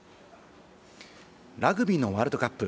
ラグビーのワールドカップ。